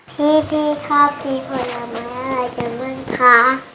พี่ชอบกินผลไม้อะไรจังมั้ยคะ